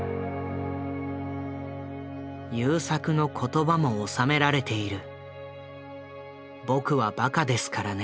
優作の言葉も収められている。